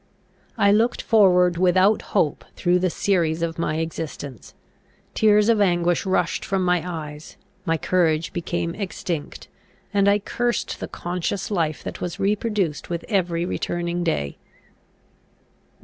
I looked forward without hope through the series of my existence, tears of anguish rushed from my eyes, my courage became extinct, and I cursed the conscious life that was reproduced with every returning day.